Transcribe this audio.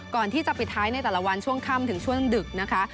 ก่อนที่จะปิดท้ายในแต่ละวันช่วงค่ำถึงช่วงดึกนะคะ